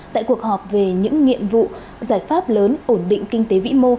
tại cuộc họp về những nghiệm vụ giải pháp lớn ổn định kinh tế vimo